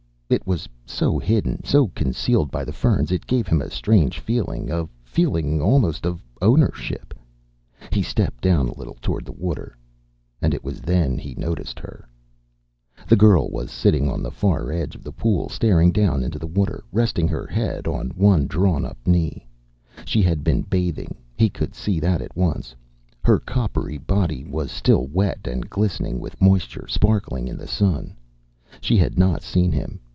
It was so hidden, so concealed by the ferns. It gave him a strange feeling, a feeling almost of ownership. He stepped down a little toward the water. And it was then he noticed her. The girl was sitting on the far edge of the pool, staring down into the water, resting her head on one drawn up knee. She had been bathing; he could see that at once. Her coppery body was still wet and glistening with moisture, sparkling in the sun. She had not seen him.